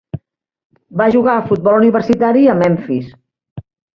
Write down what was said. Va jugar a futbol universitari a Memphis.